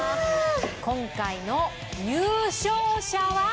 今回の優勝者は。